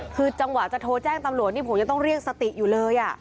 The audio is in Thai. คือจังหวะจะโทรแจ้งตำรวจนี่ผมยังต้องเรียกสติอยู่เลย